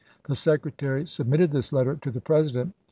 The Secretary chap.xvi. submitted this letter to the President.